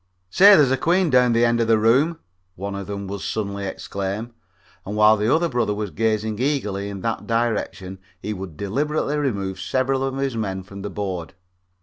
"Say, there's a queen down at the end of the room," one of them would suddenly exclaim, and while the other brother was gazing eagerly in that direction he would deliberately remove several of his men from the board.